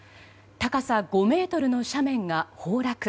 高さ５ｍの斜面が崩落。